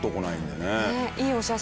ねえいいお写真。